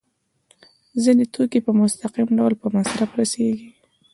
ځینې توکي په مستقیم ډول په مصرف رسیږي.